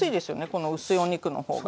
この薄いお肉の方が。